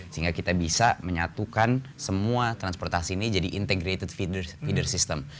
sehingga kita bisa menyatukan semua transportasi ini jadi integrated feeder system